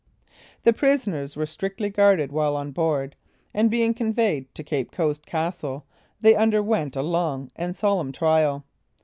The prisoners were strictly guarded while on board, and being conveyed to Cape Coast castle, they underwent a long and solemn trial.